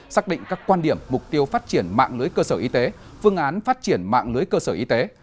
xác định các quan điểm mục tiêu phát triển mạng lưới cơ sở y tế phương án phát triển mạng lưới cơ sở y tế